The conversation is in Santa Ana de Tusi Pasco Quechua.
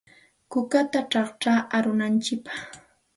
Kukata chaqchashun arunantsikpaq.